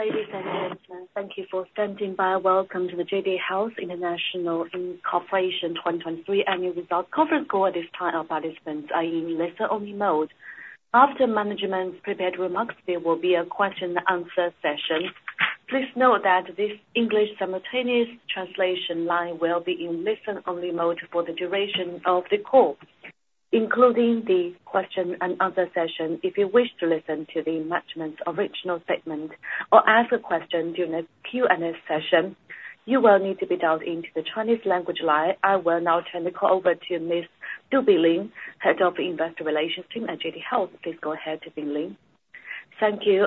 Good day, ladies and gentlemen. Thank you for standing by. Welcome to the JD Health International Inc. 2023 Annual Results Conference Call. At this time all participants are in listen-only mode. After management's prepared remarks, there will be a question-and-answer session. Please note that this English simultaneous translation line will be in listen-only mode for the duration of the call, including the question-and-answer session. If you wish to listen to the management's original statement or ask a question during the Q&A session, you will need to be dialed into the Chinese language line. I will now turn the call over to Ms. Binglin Du, Head of Investor Relations at JD Health. Please go ahead, Binglin Du. Thank you.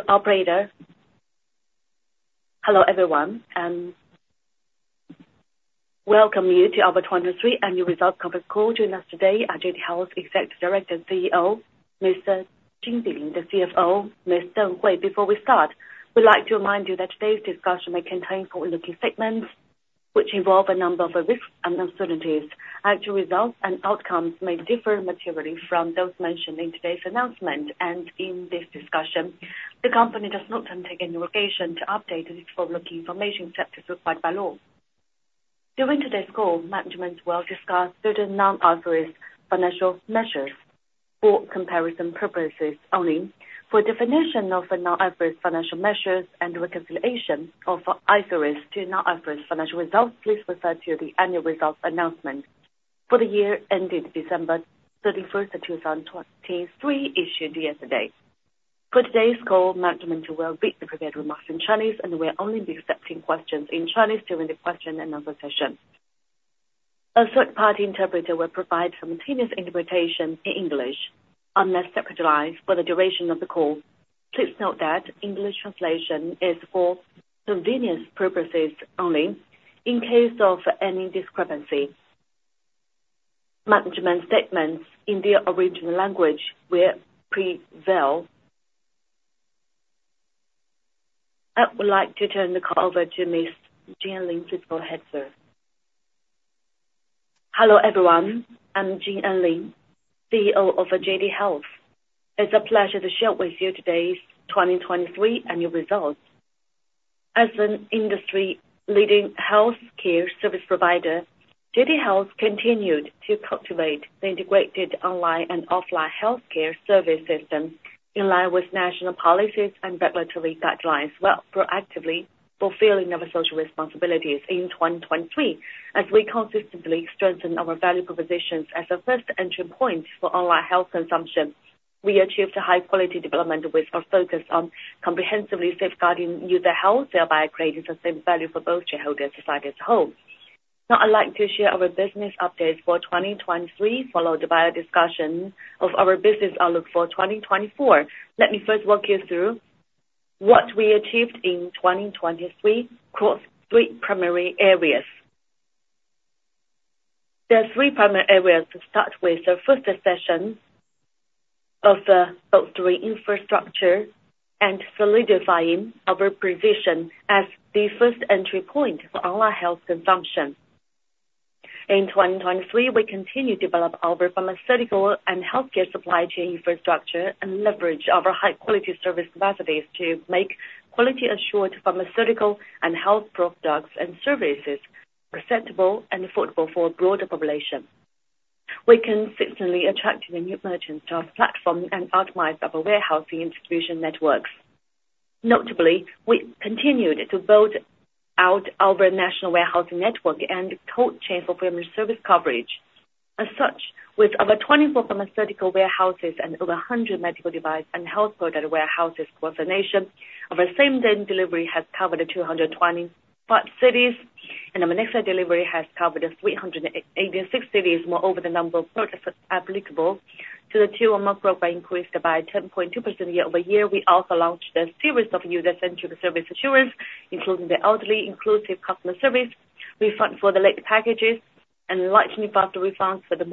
Hello, everyone. Welcome you to our 2023 Annual Results Conference call joining us today, JD Health's Executive Director and CEO, Mr. Enlin Jin, the CFO, Ms. Hui Deng. Hui Deng. Before we start, we'd like to remind you that today's discussion may contain forward-looking statements which involve a number of risks and uncertainties. Actual results and outcomes may differ materially from those mentioned in today's announcement and in this discussion. The company does not undertake any obligation to update this forward-looking information except as required by law. During today's call, management will discuss certain non-GAAP financial measures for comparison purposes only. For a definition of non-GAAP financial measures and reconciliation of GAAP to non-GAAP financial results, please refer to the Annual Results Announcement for the year ending December 31st, 2023, issued yesterday. For today's call, management will read the prepared remarks in Chinese, and we will only be accepting questions in Chinese during the question-and-answer session. A third-party interpreter will provide simultaneous interpretation in English. I will now connect the lines for the duration of the call. Please note that English translation is for convenience purposes only in case of any discrepancy. Management statements in the original language will prevail. I would like to turn the call over to Mr. Enlin Jin, CEO of JD Health. Hello, everyone. I'm Enlin Jin, CEO of JD Health. It's a pleasure to share with you today's 2023 Annual Results. As an industry-leading healthcare service provider, JD Health continued to cultivate the integrated online and offline healthcare service system in line with national policies and regulatory guidelines, while proactively fulfilling our social responsibilities in 2023. As we consistently strengthen our value propositions as a first entry point for online health consumption, we achieved high-quality development with our focus on comprehensively safeguarding user health, thereby creating sustained value for both shareholders and society as a whole. Now, I'd like to share our business updates for 2023, followed by a discussion of our business outlook for 2024. Let me first walk you through what we achieved in 2023 across three primary areas. There are three primary areas. Both through infrastructure and solidifying our position as the first entry point for online health consumption. In 2023, we continued to develop our pharmaceutical and healthcare supply chain infrastructure and leverage our high-quality service capacities to make quality-assured pharmaceutical and health products and services acceptable and affordable for a broader population. We consistently attracted a new merchant to our platform and optimized our warehousing and distribution networks. Notably, we continued to build out our national warehousing network and cold chain for premium service coverage. As such, with over 24 pharmaceutical warehouses and over 100 medical device and health product warehouses across the nation, our same-day delivery has covered 225 cities, and our next-day delivery has covered 386 cities. Moreover, the number of products applicable to the 1P program increased by 10.2% year-over-year. We also launched a series of user-centric service assurances, including the elderly-inclusive customer service refund for late packages and lightning-fast refunds for the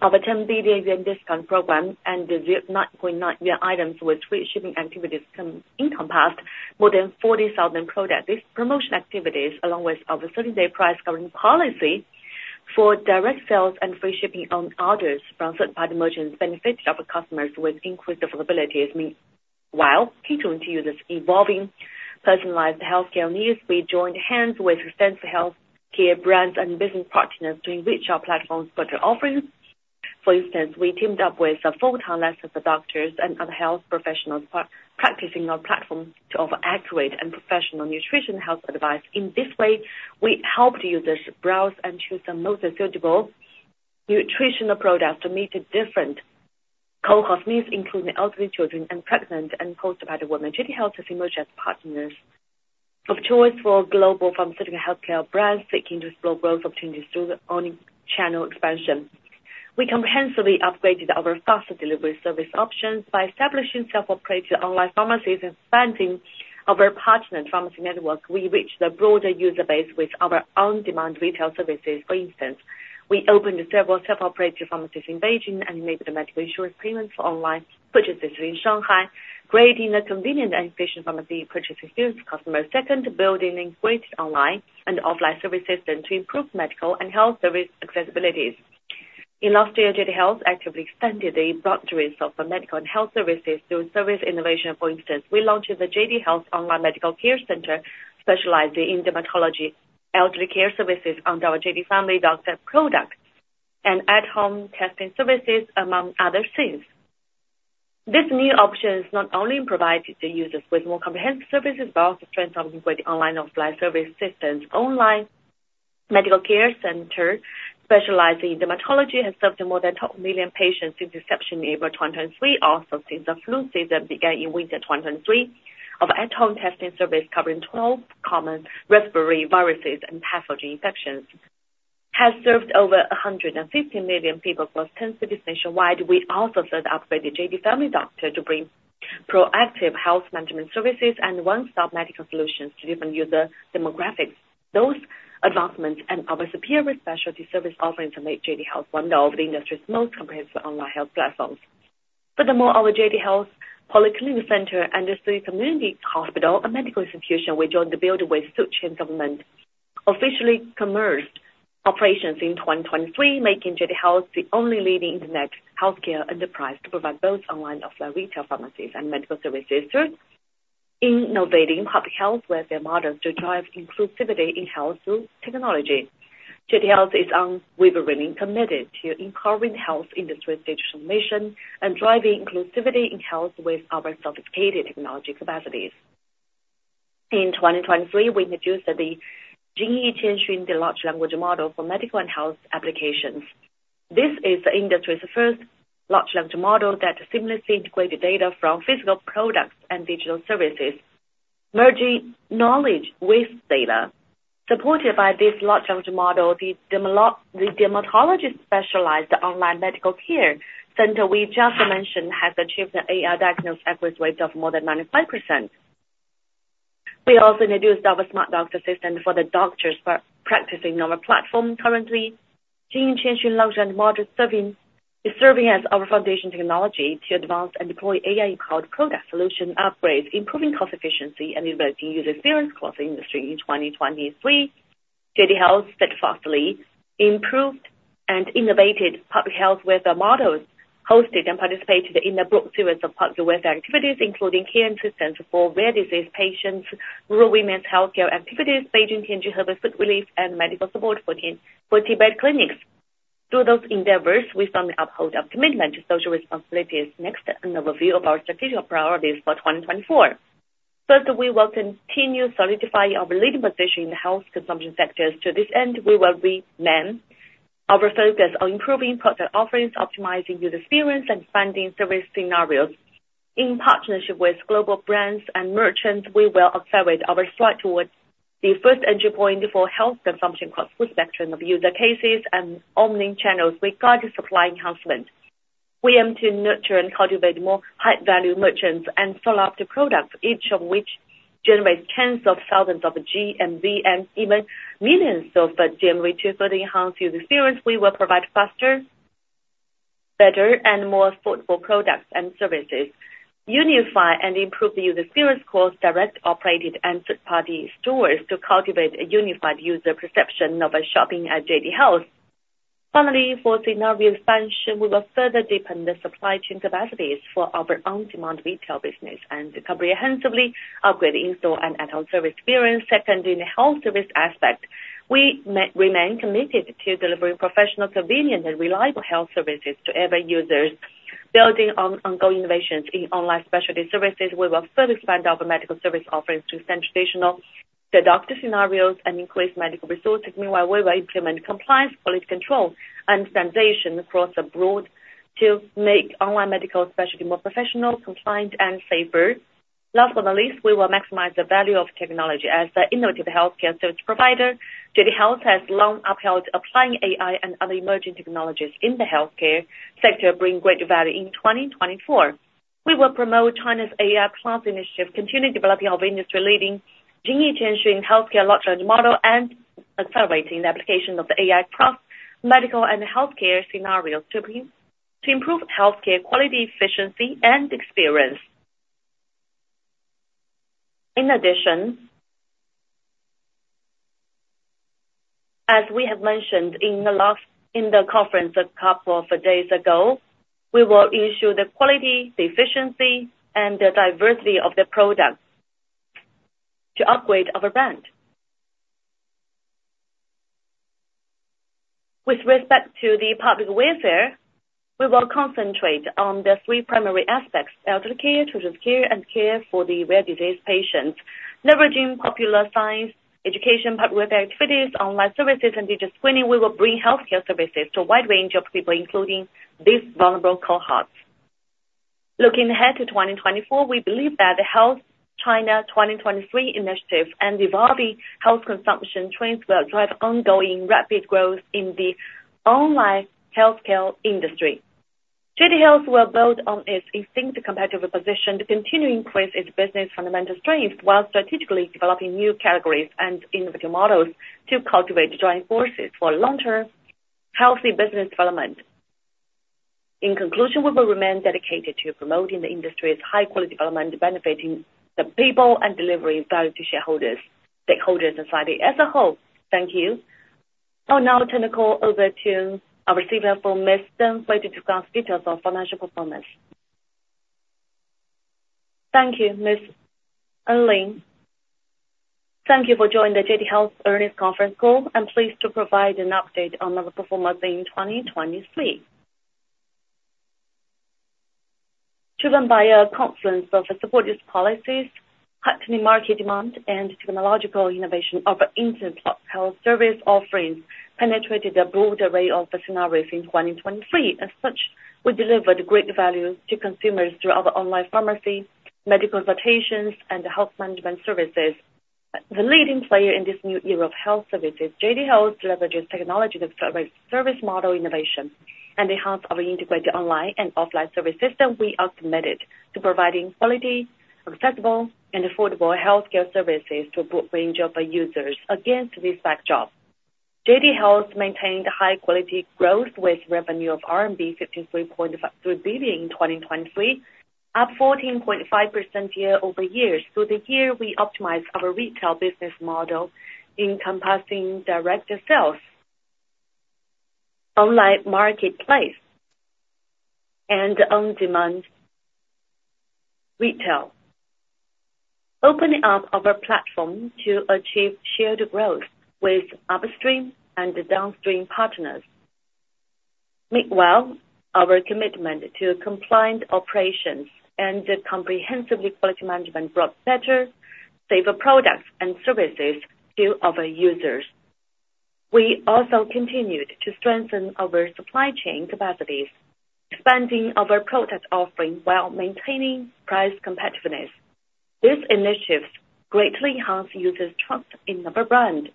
mall, our 10 billion discount program, and the 9.9 items with free shipping activities encompassed more than 40,000 product promotion activities, along with our 30-day price-covering policy for direct sales and free shipping on orders from third-party merchants benefited our customers with increased affordability. Meanwhile, catering to users' evolving personalized healthcare needs, we joined hands with extensive healthcare brands and business partners to enrich our platform's product offerings. For instance, we teamed up with full-time licensed doctors and other health professionals practicing our platform to offer accurate and professional nutrition health advice. In this way, we helped users browse and choose the most suitable nutritional products to meet different cohort needs, including elderly children and pregnant and postpartum women. JD Health has emerged as partners of choice for global pharmaceutical healthcare brands seeking to explore growth opportunities through the omnichannel expansion. We comprehensively upgraded our faster delivery service options by establishing self-operated online pharmacies and expanding our partnered pharmacy network. We reached a broader user base with our on-demand retail services. For instance, we opened several self-operated pharmacies in Beijing and enabled medical insurance payments for online purchases in Shanghai, creating a convenient and efficient pharmacy purchase experience for customers. Second, building an integrated online and offline service system to improve medical and health service accessibility. In last year, JD Health actively expanded the broad range of medical and health services through service innovation. For instance, we launched the JD Health Online Medical Care Center, specializing in dermatology, elderly care services under our JD Family Doctor products, and at-home testing services, among other things. This new option not only provided users with more comprehensive services but also strengthened our integrated online and offline service systems. Online Medical Care Center, specializing in dermatology, has served more than 12 million patients since the inception in April 2023, also since the flu season began in winter 2023. Our at-home testing service, covering 12 common respiratory viruses and pathogen infections, has served over 150 million people across 10 cities nationwide. We also further upgraded JD Family Doctor to bring proactive health management services and one-stop medical solutions to different user demographics. Those advancements and our superior specialty service offerings make JD Health one of the industry's most comprehensive online health platforms. Furthermore, our JD Health Polyclinic Center and the City Community Hospital, a medical institution we joined the build with Suqian Government, officially commenced operations in 2023, making JD Health the only leading internet healthcare enterprise to provide both online and offline retail pharmacies and medical services. Third, innovating public health with their models to drive inclusivity in health through technology. JD Health is unwaveringly committed to empowering the health industry's digital mission and driving inclusivity in health with our sophisticated technology capacities. In 2023, we introduced the Jingyi Qianxun Large Language Model for Medical and Health Applications. This is the industry's first large language model that seamlessly integrated data from physical products and digital services, merging knowledge with data. Supported by this large language model, the Dermatology Specialized Online Medical Care Center we just mentioned has achieved an AI diagnostic accuracy rate of more than 95%. We also introduced our smart doctor system for the doctors practicing on our platform currently. Jingyi Qianxun Large Language Model is serving as our foundation technology to advance and deploy AI-powered product solution upgrades, improving cost efficiency and enabling user experience across the industry. In 2023, JD Health steadfastly improved and innovated public health with our models, hosted and participated in a broad series of public health activities, including care and assistance for rare disease patients, rural women's healthcare activities, Beijing-Tianjin-Hebei flood relief, and medical support for Tibetan clinics. Through those endeavors, we firmly uphold our commitment to social responsibilities. Next, an overview of our strategic priorities for 2024. First, we will continue solidifying our leading position in the health consumption sector. To this end, we will remain our focus on improving product offerings, optimizing user experience, and finding service scenarios. In partnership with global brands and merchants, we will accelerate our stride towards the first entry point for health consumption across the full spectrum of user cases and omnichannels regarding supply enhancement. We aim to nurture and cultivate more high-value merchants and follow up the products, each of which generates tens of thousands of GMV and even millions of GMV to further enhance user experience. We will provide faster, better, and more affordable products and services, unify and improve the user experience across direct operated and third-party stores to cultivate a unified user perception of shopping at JD Health. Finally, for scenario expansion, we will further deepen the supply chain capacities for our on-demand retail business and comprehensively upgrade installation and at-home service experience. Second, in the health service aspect, we remain committed to delivering professional, convenient, and reliable health services to every user. Building on ongoing innovations in online specialty services, we will further expand our medical service offerings to extend traditional doctor scenarios and increase medical resources. Meanwhile, we will implement compliance, quality control, and standardization across the board to make online medical specialty more professional, compliant, and safer. Last but not least, we will maximize the value of technology. As an innovative healthcare service provider, JD Health has long upheld applying AI and other emerging technologies in the healthcare sector, bringing great value in 2024. We will promote China's AI+ initiative, continue developing our industry-leading Jingyi Qianxun Healthcare Large Language Model, and accelerate the application of the AI+ medical and healthcare scenarios to improve healthcare quality, efficiency, and experience. In addition, as we have mentioned in the conference a couple of days ago, we will ensure the quality, efficiency, and diversity of the products to upgrade our brand. With respect to the public welfare, we will concentrate on the three primary aspects: elderly care, children's care, and care for the rare disease patients. Leveraging popular science, education, public welfare activities, online services, and digital screening, we will bring healthcare services to a wide range of people, including these vulnerable cohorts. Looking ahead to 2024, we believe that the Healthy China 2030 initiative and evolving health consumption trends will drive ongoing rapid growth in the online healthcare industry. JD Health will build on its distinct competitive position to continue to increase its business fundamental strengths while strategically developing new categories and innovative models to cultivate joint forces for long-term healthy business development. In conclusion, we will remain dedicated to promoting the industry's high-quality development, benefiting the people, and delivering value to shareholders, stakeholders, and society as a whole. Thank you. I will now turn the call over to our CFO, Ms. Hui Deng, to discuss details on financial performance. Thank you, Mr. Enlin. Thank you for joining the JD Health Earnings Conference Call. I'm pleased to provide an update on our performance in 2023. Driven by a confluence of supportive policies, heightening market demand, and technological innovation, our instant health service offerings penetrated a broad array of scenarios in 2023. As such, we delivered great value to consumers through our online pharmacy, medical consultations, and health management services. The leading player in this new era of health services, JD Health, leverages technology-accelerated service model innovation and enhances our integrated online and offline service system. We are committed to providing quality, accessible, and affordable healthcare services to a broad range of users against this backdrop. JD Health maintained high-quality growth with revenue of RMB 53.3 billion in 2023, up 14.5% year-over-year. Through the year, we optimized our retail business model, encompassing direct sales, online marketplace, and on-demand retail, opening up our platform to achieve shared growth with upstream and downstream partners. Meanwhile, our commitment to compliant operations and comprehensive quality management brought better, safer products and services to our users. We also continued to strengthen our supply chain capacities, expanding our product offering while maintaining price competitiveness. These initiatives greatly enhanced users' trust in our brand.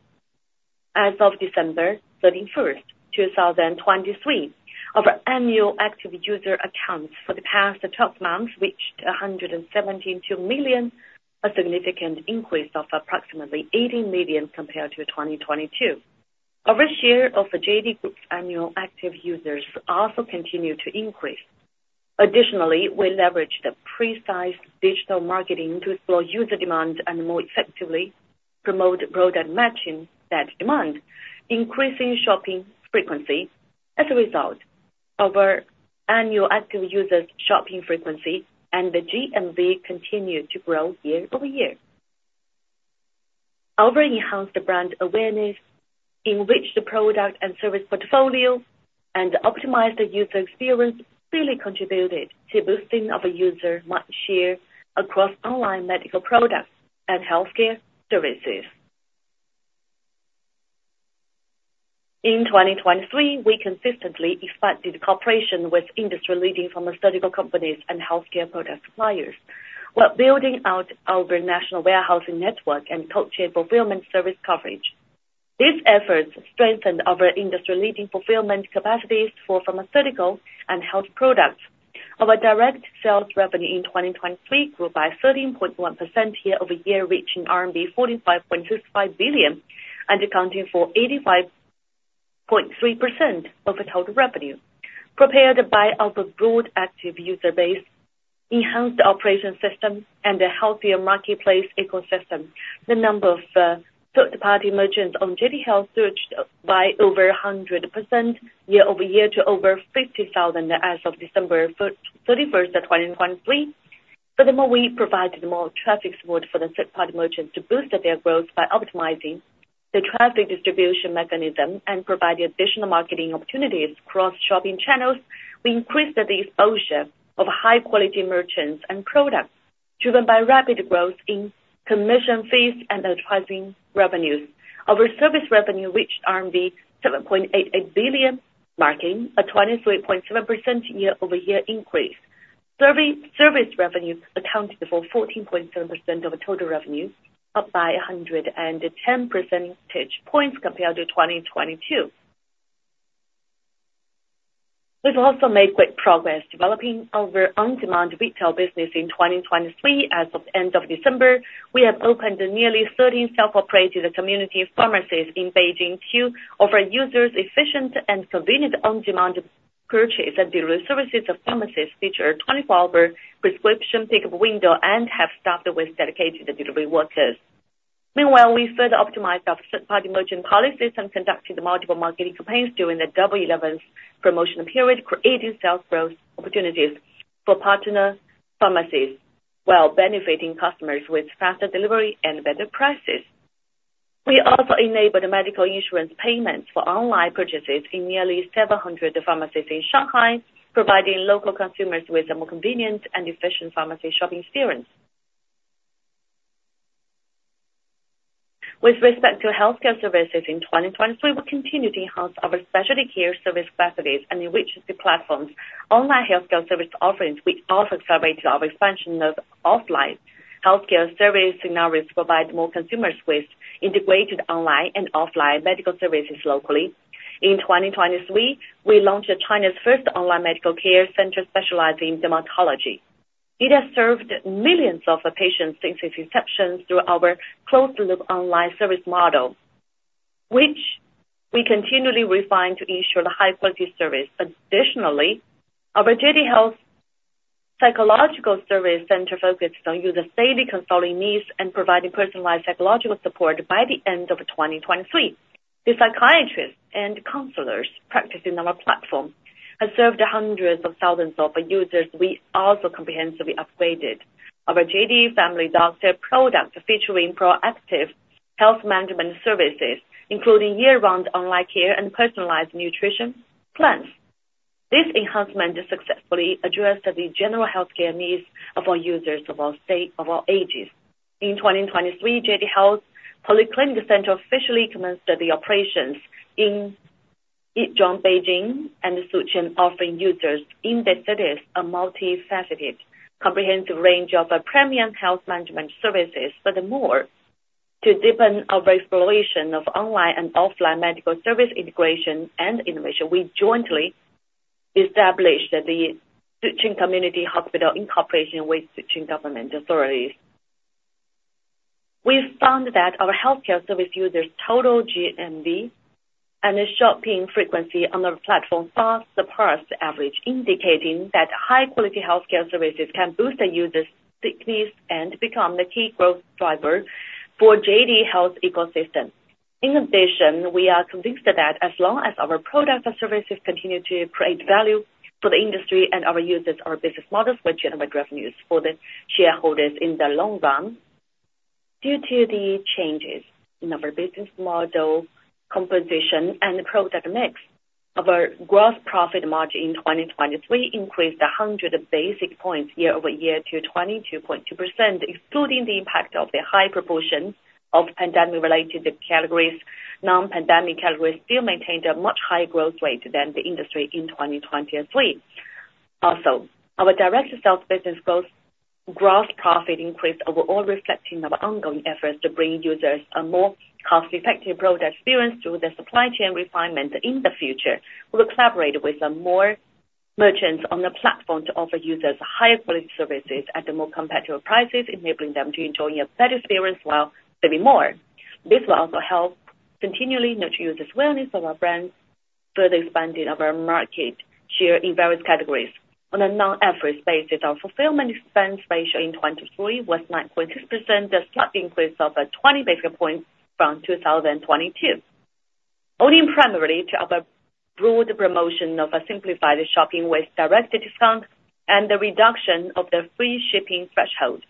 As of December 31st, 2023, our annual active user accounts for the past 12 months reached 172 million, a significant increase of approximately 18 million compared to 2022. Our share of JD Group's annual active users also continued to increase. Additionally, we leveraged precise digital marketing to explore user demand and more effectively promote product matching that demand, increasing shopping frequency. As a result, our annual active users' shopping frequency and the GMV continued to grow year-over-year. Our enhanced brand awareness, enriched product and service portfolio, and optimized user experience clearly contributed to boosting our user market share across online medical products and healthcare services. In 2023, we consistently expanded cooperation with industry-leading pharmaceutical companies and healthcare product suppliers, while building out our national warehousing network and cold chain fulfillment service coverage. These efforts strengthened our industry-leading fulfillment capacities for pharmaceutical and health products. Our direct sales revenue in 2023 grew by 13.1% year-over-year, reaching CNY 45.65 billion and accounting for 85.3% of total revenue. Prepared by our broad active user base, enhanced operation systems, and a healthier marketplace ecosystem, the number of third-party merchants on JD Health surged by over 100% year-over-year to over 50,000 as of December 31st, 2023. Furthermore, we provided more traffic support for the third-party merchants to boost their growth by optimizing the traffic distribution mechanism and providing additional marketing opportunities across shopping channels. We increased the exposure of high-quality merchants and products, driven by rapid growth in commission fees and advertising revenues. Our service revenue reached RMB 7.88 billion, marking a 23.7% year-over-year increase. Service revenue accounted for 14.7% of total revenue, up by 110 percentage points compared to 2022. We've also made great progress developing our on-demand retail business. In 2023, as of the end of December, we have opened nearly 13 self-operated community pharmacies in Beijing to offer users efficient and convenient on-demand purchases. The delivery services of pharmacies feature a 24-hour prescription pickup window and have staffed with dedicated delivery workers. Meanwhile, we further optimized our third-party merchant policies and conducted multiple marketing campaigns during the Double 11 promotional period, creating sales growth opportunities for partner pharmacies while benefiting customers with faster delivery and better prices. We also enabled medical insurance payments for online purchases in nearly 700 pharmacies in Shanghai, providing local consumers with a more convenient and efficient pharmacy shopping experience. With respect to healthcare services in 2023, we continued to enhance our specialty care service capacities and enrich the platform's online healthcare service offerings. We also accelerated our expansion of offline healthcare service scenarios to provide more consumers with integrated online and offline medical services locally. In 2023, we launched China's first online medical care center specializing in dermatology. It has served millions of patients since its inception through our closed-loop online service model, which we continually refine to ensure high-quality service. Additionally, our JD Health psychological service center focuses on users' daily consulting needs and providing personalized psychological support. By the end of 2023, the psychiatrists and counselors practicing on our platform have served hundreds of thousands of users. We also comprehensively upgraded our JD Family Doctor products featuring proactive health management services, including year-round online care and personalized nutrition plans. This enhancement successfully addressed the general healthcare needs of our users of all ages. In 2023, JD Health Polyclinic Center officially commenced the operations in Yizhuang, Beijing, and Suqian, offering users in their cities a multifaceted, comprehensive range of premium health management services. Furthermore, to deepen our exploration of online and offline medical service integration and innovation, we jointly established the Suqian Community Hospital in cooperation with Suqian government authorities. We found that our healthcare service users' total GMV and shopping frequency on our platform far surpassed the average, indicating that high-quality healthcare services can boost users' stickiness and become the key growth driver for JD Health's ecosystem. In addition, we are convinced that as long as our products and services continue to create value for the industry and our users, our business models will generate revenues for the shareholders in the long run. Due to the changes in our business model composition and product mix, our gross profit margin in 2023 increased 100 basis points year-over-year to 22.2%, including the impact of the high proportion of pandemic-related categories. Non-pandemic categories still maintained a much higher growth rate than the industry in 2023. Also, our direct sales business growth gross profit increase overall reflected our ongoing efforts to bring users a more cost-effective product experience through the supply chain refinement in the future. We will collaborate with more merchants on the platform to offer users higher-quality services at more competitive prices, enabling them to enjoy a better experience while saving more. This will also help continually nurture users' awareness of our brand, further expanding our market share in various categories. On a non-GAAP basis, our fulfillment expense ratio in 2023 was 9.6%, a slight increase of 20 basis points from 2022, owing primarily to our broad promotion of simplified shopping with direct discount and the reduction of the free shipping threshold.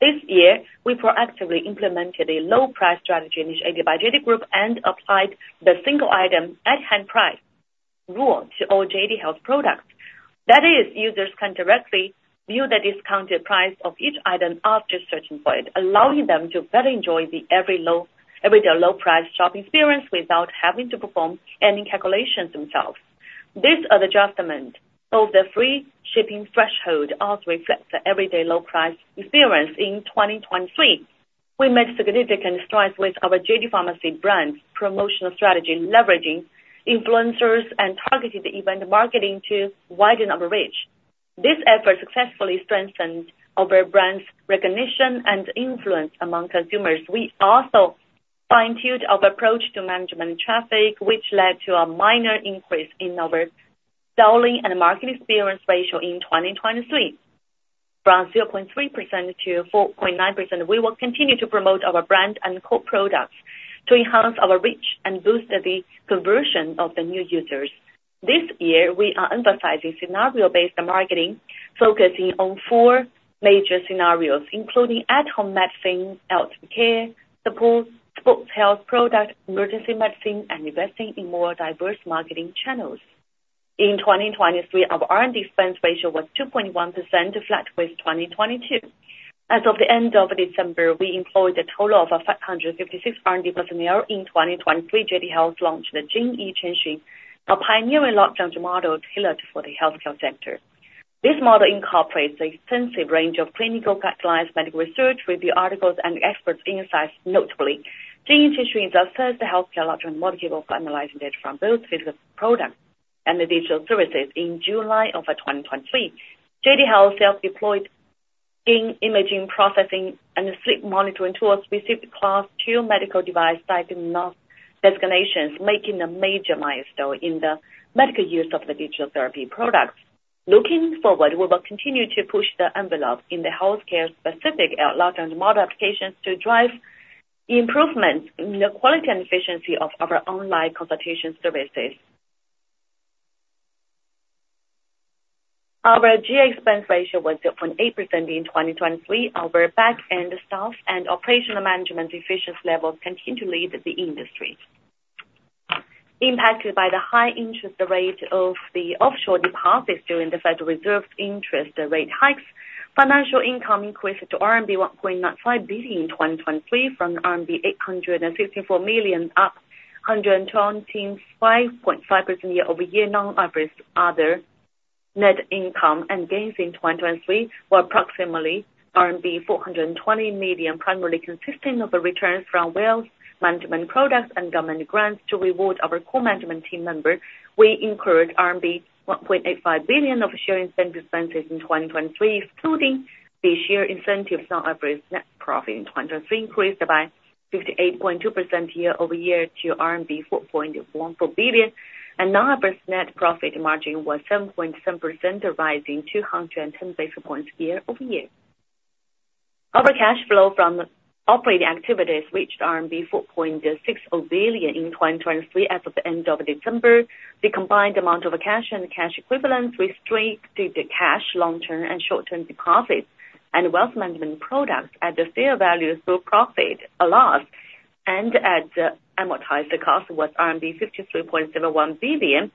This year, we proactively implemented a low-price strategy initiated by JD Group and applied the single-item at-hand price rule to all JD Health products. That is, users can directly view the discounted price of each item after searching for it, allowing them to better enjoy the everyday low-price shopping experience without having to perform any calculations themselves. This adjustment of the free shipping threshold also reflects the everyday low-price experience in 2023. We made significant strides with our JD Pharmacy brand's promotional strategy, leveraging influencers and targeted event marketing to widen our reach. This effort successfully strengthened our brand's recognition and influence among consumers. We also fine-tuned our approach to management traffic, which led to a minor increase in our selling and marketing expense ratio in 2023, from 0.3% to 4.9%. We will continue to promote our brand and core products to enhance our reach and boost the conversion of the new users. This year, we are emphasizing scenario-based marketing, focusing on four major scenarios, including at-home medicine, healthcare, support, sports health products, emergency medicine, and investing in more diverse marketing channels. In 2023, our R&D spend ratio was 2.1%, flat with 2022. As of the end of December, we employed a total of 556 R&D personnel in 2023. JD Health launched the Jingyi Qianxun, a pioneering large language model tailored for the healthcare sector. This model incorporates an extensive range of clinical guidelines, medical research, review articles, and expert insights. Notably, Jingyi Qianxun is the first healthcare large language model tailored for analyzing data from both physical products and digital services in July of 2023. JD Health self-deployed skin imaging, processing, and sleep monitoring tools to receive Class II medical device diagnostic designations, marking a major milestone in the medical use of the digital therapy products. Looking forward, we will continue to push the envelope in the healthcare-specific large language model applications to drive improvements in the quality and efficiency of our online consultation services. Our G&A expense ratio was 0.8% in 2023. Our back-end staff and operational management efficiency levels continue to lead the industry. Impacted by the high interest rate of the offshore deposits during the Federal Reserve's interest rate hikes, financial income increased to RMB 1.95 billion in 2023, from RMB 864 million, up 125.5% year-over-year. Non-IFRS other net income and gains in 2023 were approximately RMB 420 million, primarily consisting of returns from wealth management products and government grants. To reward our core management team members, we incurred RMB 1.85 billion of share incentive expenses in 2023, including the share incentive. Non-IFRS net profit in 2023 increased by 58.2% year-over-year to RMB 4.14 billion, and non-IFRS net profit margin was 7.7%, rising 210 basis points year-over-year. Our cash flow from operating activities reached RMB 4.60 billion in 2023 as of the end of December. The combined amount of cash and cash equivalents, restricted cash, long-term and short-term deposits, and wealth management products at the fair value through profit or loss, and at the amortized cost was RMB 53.71 billion.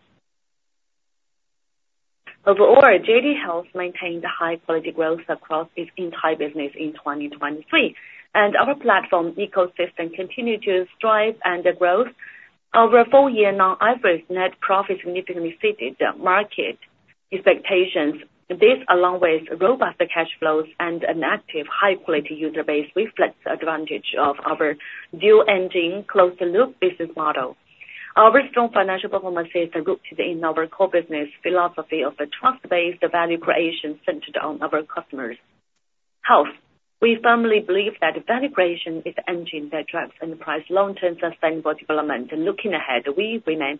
Overall, JD Health maintained high-quality growth across its entire business in 2023, and our platform ecosystem continued to strive for growth. Our full-year non-IFRS net profit significantly exceeded market expectations. This, along with robust cash flows and an active high-quality user base, reflects the advantage of our dual-engine, closed-loop business model. Our strong financial performances are rooted in our core business philosophy of a trust-based value creation centered on our customers. JD Health, we firmly believe that value creation is the engine that drives enterprise long-term sustainable development. Looking ahead, we remain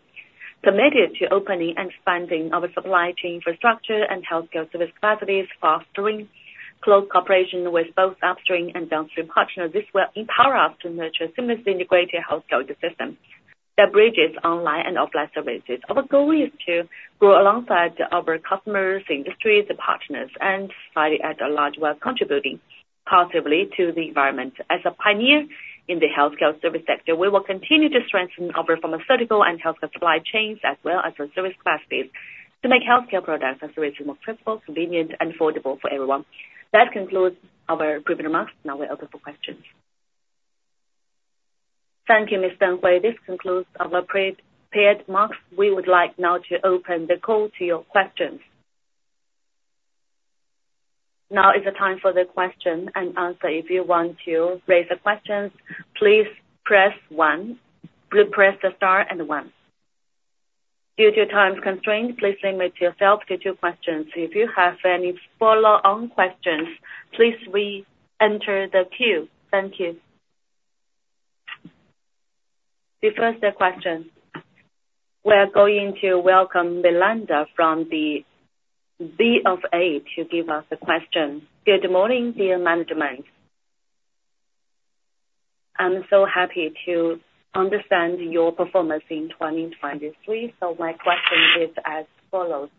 committed to opening and expanding our supply chain infrastructure and healthcare service capacities, fostering close cooperation with both upstream and downstream partners. This will empower us to nurture seamlessly integrated healthcare ecosystems that bridge online and offline services. Our goal is to grow alongside our customers, industries, partners, and society at large while contributing positively to the environment. As a pioneer in the healthcare service sector, we will continue to strengthen our pharmaceutical and healthcare supply chains as well as our service capacities to make healthcare products and services more accessible, convenient, and affordable for everyone. That concludes our preliminary marks. Now we're open for questions. Thank you, Ms. Hui. This concludes our prepared marks. We would like now to open the call to your questions. Now is the time for the question and answer. If you want to raise a question, please press the star, and one. Due to time constraints, please limit yourself to two questions. If you have any follow-on questions, please re-enter the queue. Thank you. The first question. We are going to welcome Miranda from the BofA to give us a question. Good morning, dear management. I'm so happy to understand your performance in 2023. My question is as follows: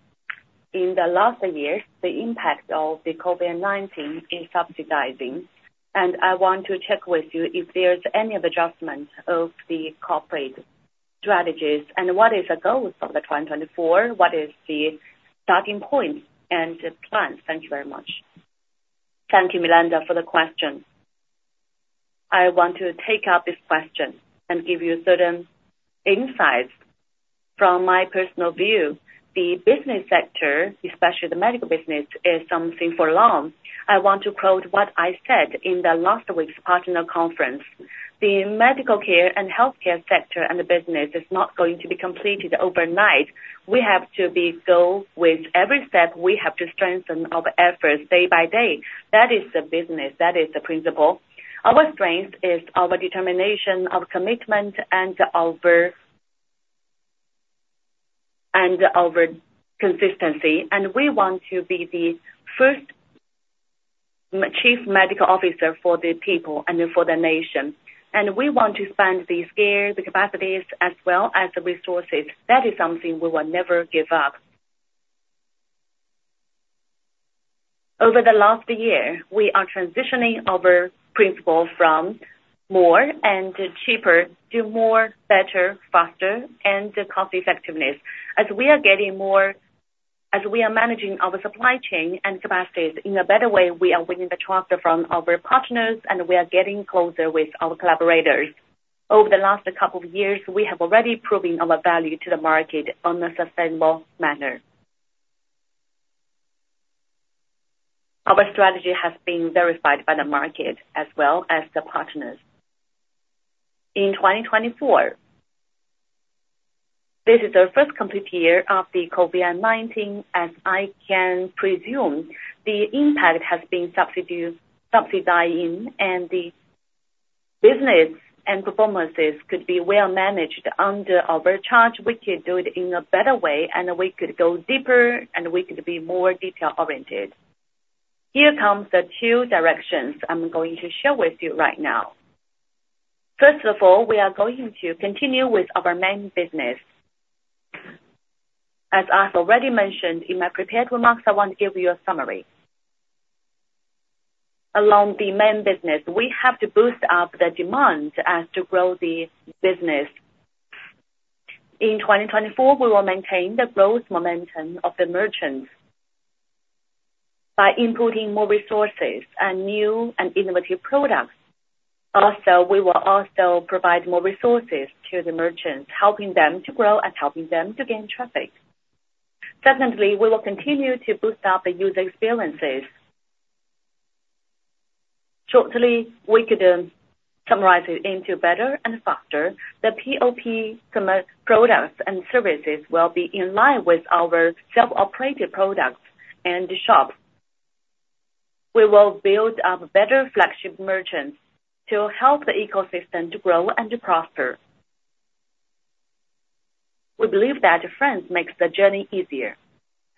In the last year, the impact of COVID-19 is subsiding, and I want to check with you if there's any adjustment of the corporate strategies. And what is the goal for 2024? What is the starting point and plan? Thank you very much. Thank you, Miranda, for the question. I want to take up this question and give you certain insights. From my personal view, the business sector, especially the medical business, is something for long. I want to quote what I said in the last week's partner conference: "The medical care and healthcare sector and the business is not going to be completed overnight. We have to go with every step. We have to strengthen our efforts day by day." That is the business. That is the principle. Our strength is our determination, our commitment, and our consistency. We want to be the first Chief Medical Officer for the people and for the nation. We want to spend the scale, the capacities, as well as the resources. That is something we will never give up. Over the last year, we are transitioning our principle from more and cheaper to more, better, faster, and cost-effectiveness. As we are getting more as we are managing our supply chain and capacities in a better way, we are winning the trust from our partners, and we are getting closer with our collaborators. Over the last couple of years, we have already proven our value to the market on a sustainable manner. Our strategy has been verified by the market as well as the partners. In 2024, this is the first complete year of COVID-19. As I can presume, the impact has been subsidizing, and the business and performances could be well managed under our charge. We could do it in a better way, and we could go deeper, and we could be more detail-oriented. Here comes the two directions I'm going to share with you right now. First of all, we are going to continue with our main business. As I've already mentioned in my prepared remarks, I want to give you a summary. Along the main business, we have to boost up the demand as to grow the business. In 2024, we will maintain the growth momentum of the merchants by inputting more resources and new and innovative products. Also, we will also provide more resources to the merchants, helping them to grow and helping them to gain traffic. Secondly, we will continue to boost up the user experiences. Shortly, we could summarize it into better and faster. The POP products and services will be in line with our self-operated products and shops. We will build up better flagship merchants to help the ecosystem to grow and to prosper. We believe that friends make the journey easier.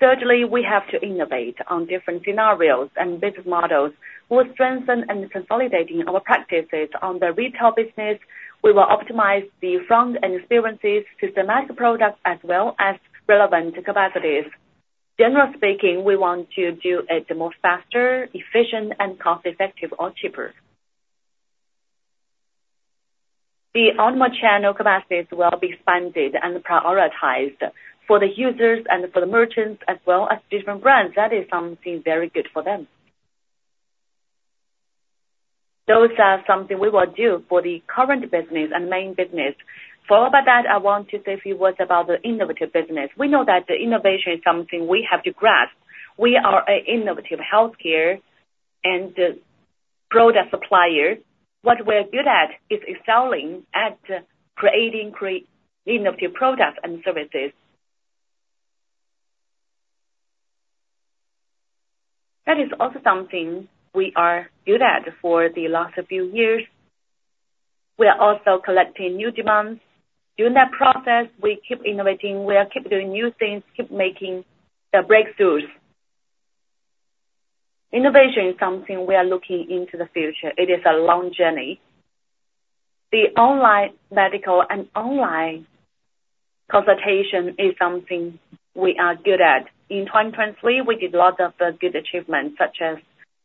Thirdly, we have to innovate on different scenarios and business models. We will strengthen and consolidate our practices on the retail business. We will optimize the front-end experiences, systematic products, as well as relevant capacities. Generally speaking, we want to do it more faster, efficient, and cost-effective or cheaper. The online channel capacities will be spending and prioritized for the users and for the merchants, as well as different brands. That is something very good for them. Those are something we will do for the current business and main business. Followed by that, I want to say a few words about the innovative business. We know that innovation is something we have to grasp. We are an innovative healthcare and product supplier. What we are good at is excelling at creating innovative products and services. That is also something we are good at for the last few years. We are also collecting new demands. During that process, we keep innovating. We are keep doing new things, keep making the breakthroughs. Innovation is something we are looking into the future. It is a long journey. The online medical and online consultation is something we are good at. In 2023, we did a lot of good achievements, such as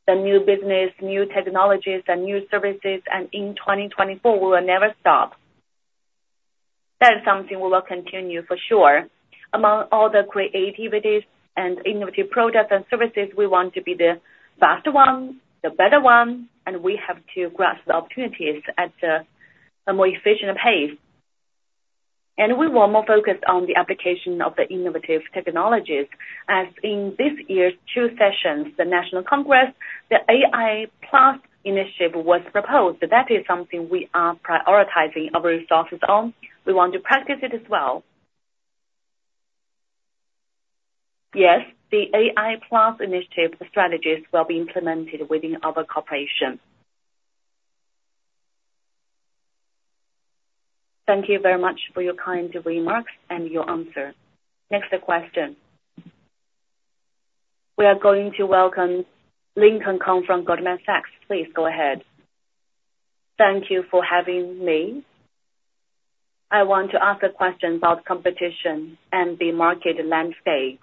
the new business, new technologies, and new services. In 2024, we will never stop. That is something we will continue for sure. Among all the creativities and innovative products and services, we want to be the fast one, the better one, and we have to grasp the opportunities at a more efficient pace. And we will be more focused on the application of the innovative technologies. As in this year's two sessions, the National Congress, the AI Plus initiative was proposed. That is something we are prioritizing our resources on. We want to practice it as well. Yes, the AI Plus initiative strategies will be implemented within our corporation. Thank you very much for your kind remarks and your answer. Next question. We are going to welcome Lincoln Kong, Goldman Sachs. Please go ahead. Thank you for having me. I want to ask a question about competition and the market landscape.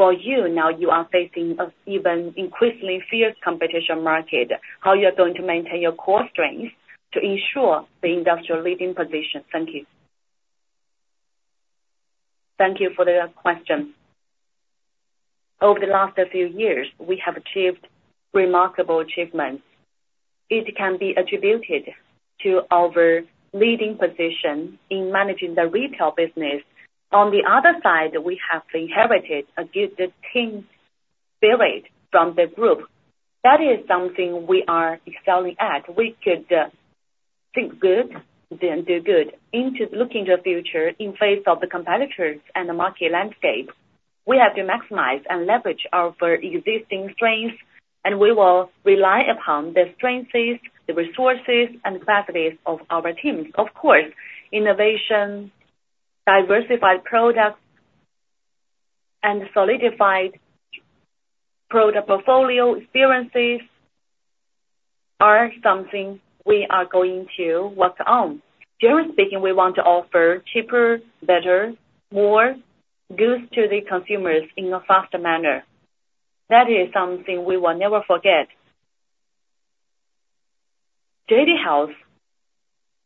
For you, now you are facing an even increasingly fierce competition market. How are you going to maintain your core strengths to ensure the industry-leading position? Thank you. Thank you for the question. Over the last few years, we have achieved remarkable achievements. It can be attributed to our leading position in managing the retail business. On the other side, we have inherited a good team spirit from the group. That is something we are excelling at. We could think good, then do good. Looking to the future in face of the competitors and the market landscape, we have to maximize and leverage our existing strengths, and we will rely upon the strengths, the resources, and capacities of our teams. Of course, innovation, diversified products, and solidified product portfolio experiences are something we are going to work on. Generally speaking, we want to offer cheaper, better, more goods to the consumers in a faster manner. That is something we will never forget. JD Health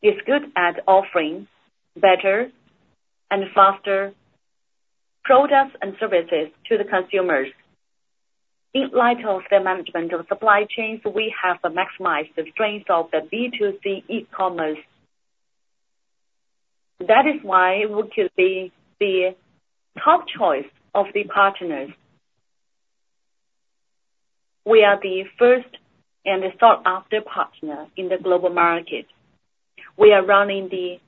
is good at offering better and faster products and services to the consumers. In light of the management of supply chains, we have maximized the strengths of the B2C e-commerce. That is why we could be the top choice of the partners. We are the first and sought-after partner in the global market. We are running the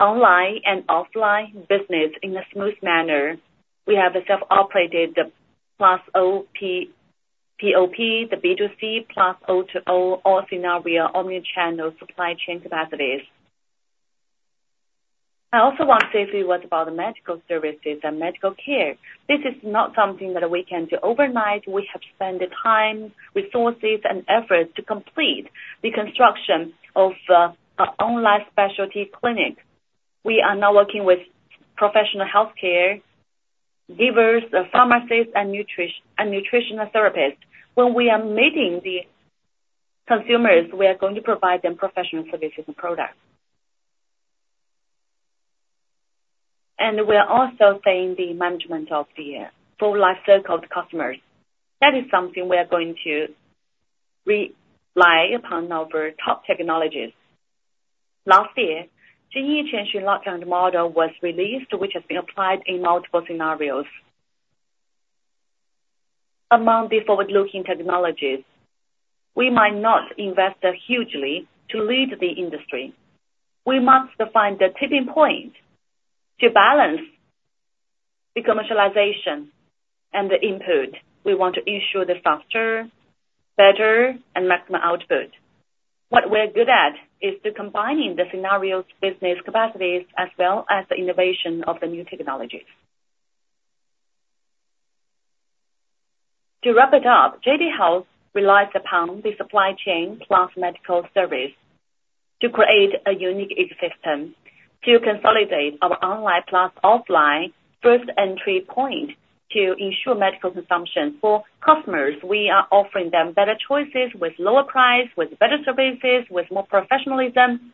online and offline business in a smooth manner. We have self-operated plus O2O POP, the B2C plus O2O, all-scenario, omnichannel supply chain capacities. I also want to say a few words about the medical services and medical care. This is not something that we can do overnight. We have spent the time, resources, and efforts to complete the construction of an online specialty clinic. We are now working with professional healthcare givers, pharmacists, and nutritional therapists. When we are meeting the consumers, we are going to provide them professional services and products. We are also saying the management of the full life cycle of the customers. That is something we are going to rely upon our top technologies. Last year, Jingyi Qianxun's language model was released, which has been applied in multiple scenarios. Among the forward-looking technologies, we might not invest hugely to lead the industry. We must find the tipping point to balance the commercialization and the input. We want to ensure the faster, better, and maximum output. What we are good at is combining the scenarios' business capacities as well as the innovation of the new technologies. To wrap it up, JD Health relies upon the supply chain plus medical service to create a unique existence, to consolidate our online plus offline first entry point to ensure medical consumption for customers. We are offering them better choices with lower price, with better services, with more professionalism,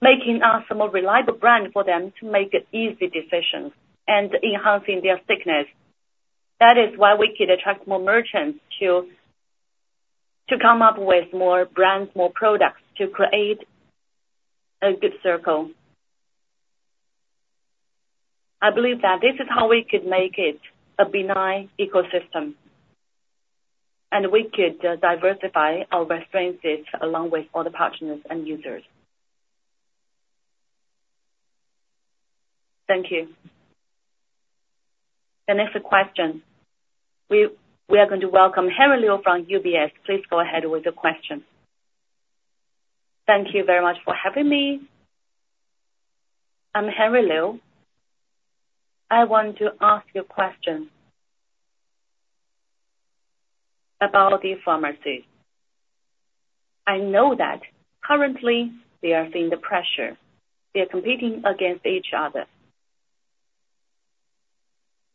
making us a more reliable brand for them to make easy decisions and enhancing their sickness. That is why we could attract more merchants to come up with more brands, more products, to create a good circle. I believe that this is how we could make it a benign ecosystem, and we could diversify our strengths along with all the partners and users. Thank you. The next question. We are going to welcome Jerry Liu from UBS. Please go ahead with your question. Thank you very much for having me. I'm Jerry Liu. I want to ask you a question about the pharmacies. I know that currently, they are feeling the pressure. They are competing against each other.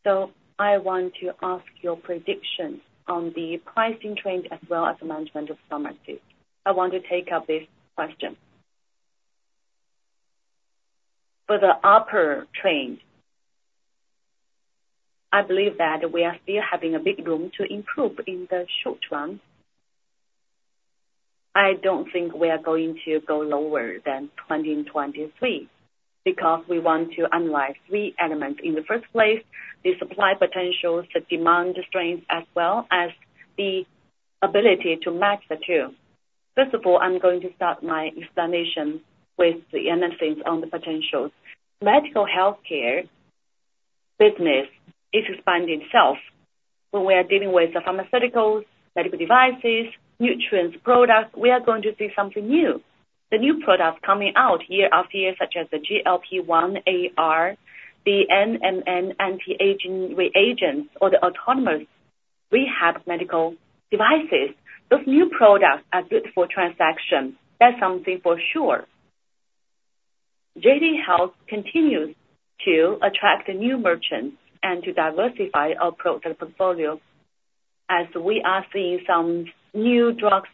So I want to ask your predictions on the pricing trend as well as the management of pharmacies. I want to take up this question. For the upper trend, I believe that we are still having a big room to improve in the short run. I don't think we are going to go lower than 2023 because we want to analyze three elements in the first place: the supply potentials, the demand strengths, as well as the ability to match the two. First of all, I'm going to start my explanation with the essence on the potentials. Medical healthcare business is expanding itself. When we are dealing with pharmaceuticals, medical devices, nutrients, products, we are going to see something new, the new products coming out year after year, such as the GLP-1, the NMN anti-aging reagents, or the autonomous rehab medical devices. Those new products are good for transaction. That's something for sure. JD Health continues to attract new merchants and to diversify our product portfolio as we are seeing some new drugs.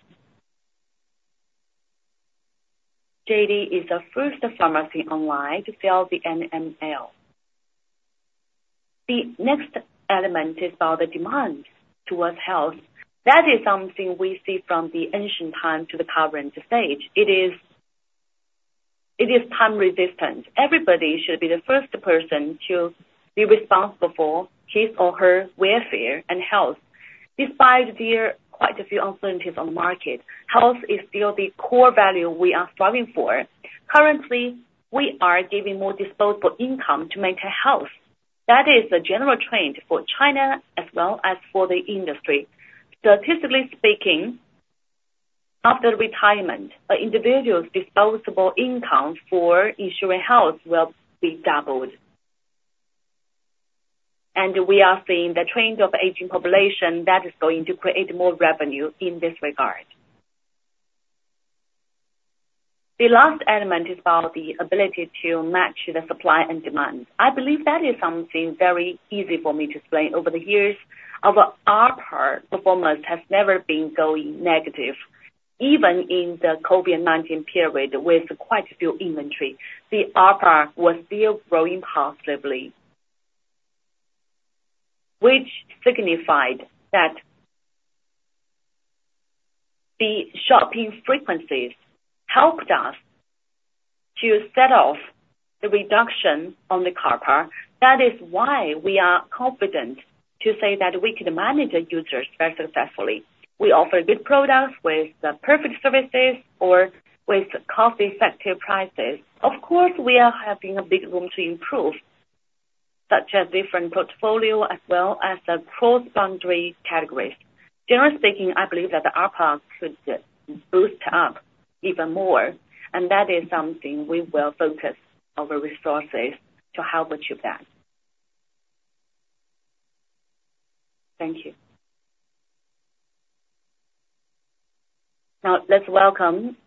JD is the first pharmacy online to sell the NMN. The next element is about the demand towards health. That is something we see from the ancient time to the current stage. It is time-resistant. Everybody should be the first person to be responsible for his or her welfare and health. Despite there being quite a few uncertainties on the market, health is still the core value we are striving for. Currently, we are giving more disposable income to maintain health. That is a general trend for China as well as for the industry. Statistically speaking, after retirement, an individual's disposable income for insuring health will be doubled. We are seeing the trend of aging population that is going to create more revenue in this regard. The last element is about the ability to match the supply and demand. I believe that is something very easy for me to explain. Over the years, our performance has never been going negative. Even in the COVID-19 period with quite a few inventories, the ARPA was still growing positively, which signified that the shopping frequencies helped us to set off the reduction on the ARPA. That is why we are confident to say that we could manage the users very successfully. We offer good products with perfect services or with cost-effective prices. Of course, we are having a big room to improve, such as different portfolio as well as cross-boundary categories. Generally speaking, I believe that the ARPA could boost up even more, and that is something we will focus our resources to help achieve that. Thank you. Now, let's welcome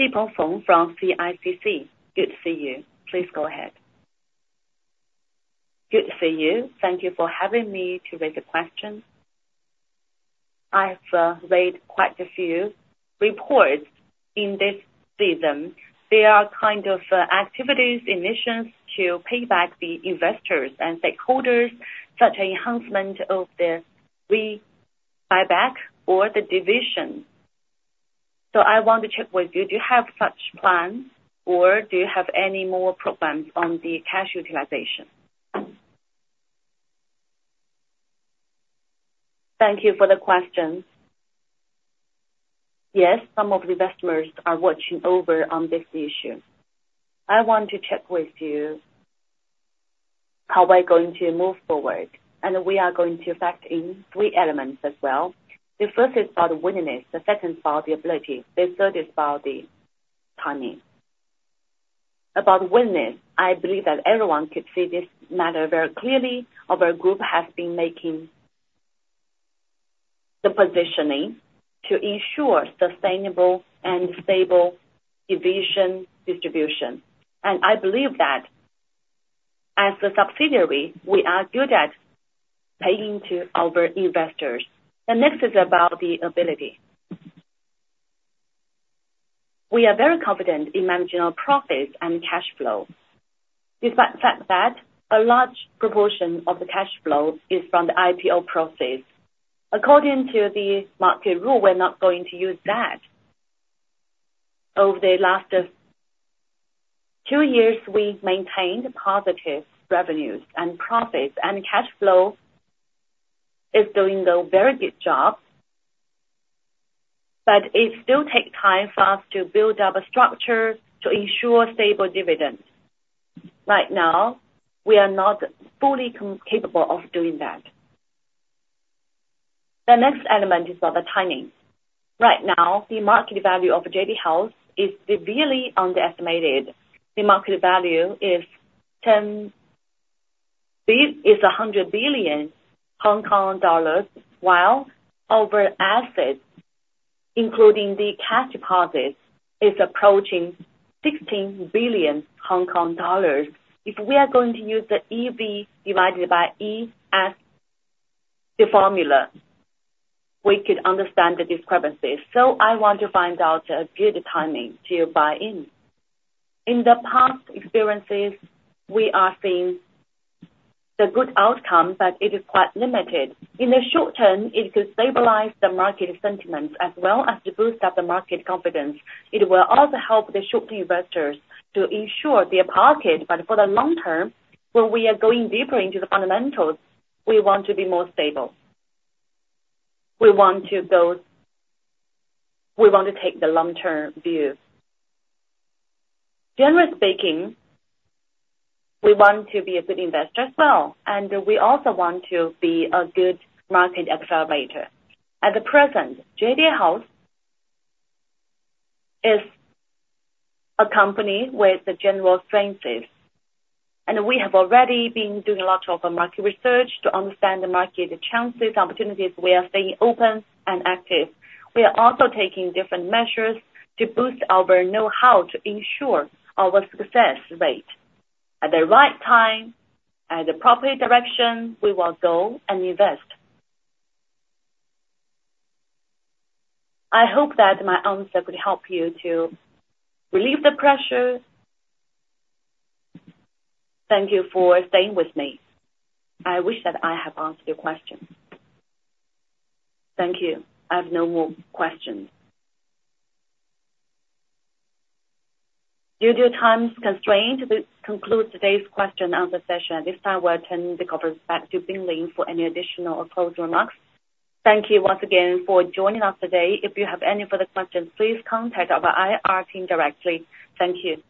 Xipeng Feng from CICC. Good to see you. Please go ahead. Good to see you. Thank you for having me to raise a question. I've read quite a few reports in this season. There are kind of activities, initiatives to pay back the investors and stakeholders, such as enhancement of the buyback or the dividend. So I want to check with you. Do you have such plans, or do you have any more programs on the cash utilization? Thank you for the question. Yes, some of the investors are watching over on this issue. I want to check with you how we're going to move forward. And we are going to factor in three elements as well. The first is about the willingness. The second is about the ability. The third is about the timing. About willingness, I believe that everyone could see this matter very clearly. Our group has been making the positioning to ensure sustainable and stable dividend distribution. And I believe that as a subsidiary, we are good at paying to our investors. The next is about the ability. We are very confident in managing our profits and cash flow. Despite the fact that a large proportion of the cash flow is from the IPO process, according to the market rule, we're not going to use that. Over the last two years, we maintained positive revenues and profits, and cash flow is doing a very good job. But it still takes time for us to build up a structure to ensure stable dividends. Right now, we are not fully capable of doing that. The next element is about the timing. Right now, the market value of JD Health is severely underestimated. The market value is HKD 100 billion, while our assets, including the cash deposits, are approaching 16 billion Hong Kong dollars. If we are going to use the EV divided by S formula, we could understand the discrepancies. So I want to find out a good timing to buy in. In the past experiences, we are seeing the good outcome, but it is quite limited. In the short term, it could stabilize the market sentiments as well as boost up the market confidence. It will also help the short-term investors to ensure their pocket. But for the long term, when we are going deeper into the fundamentals, we want to be more stable. We want to take the long-term view. Generally speaking, we want to be a good investor as well, and we also want to be a good market accelerator. At the present, JD Health is a company with general strengths. We have already been doing lots of market research to understand the market chances, opportunities. We are staying open and active. We are also taking different measures to boost our know-how to ensure our success rate. At the right time, at the proper direction, we will go and invest. I hope that my answer could help you to relieve the pressure. Thank you for staying with me. I wish that I have answered your question. Thank you. I have no more questions. Due to time constraints, we conclude today's question and answer session. At this time, we'll turn the conference back to Binglin Du for any additional or closing remarks. Thank you once again for joining us today. If you have any further questions, please contact our IR team directly. Thank you.